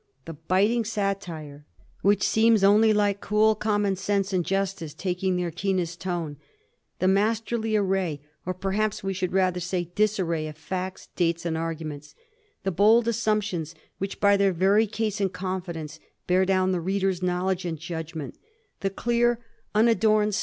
The biting satire, which seems only like cool common sense and justice taking their keenest tone ; the masterly array, or perhaps we should rather say disarray, of facts, dates, and arguments ; the bold assumptions which, by their very ease and confidence, bear down the reader's knowledge and judgment; the clear, unadorned, Digiti zed by Google 126 A HISTORY OF THE FOUR GEORGES. CH. TL.